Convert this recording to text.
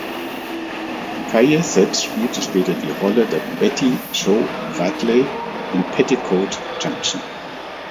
Kaye selbst spielte später die Rolle der Betty Jo Bradley in "Petticoat Junction".